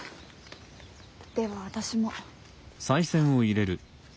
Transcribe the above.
では私も。